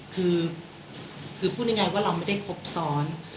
คือคือพูดยังไงว่าเราไม่ได้ครบซ้อน